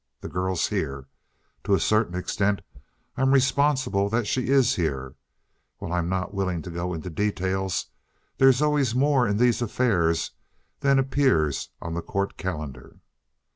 The girl's here. To a certain extent I'm responsible that she is here. While I'm not willing to go into details, there's always more in these affairs than appears on the court calendar."